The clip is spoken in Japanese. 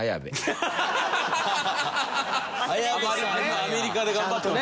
アメリカで頑張ってると。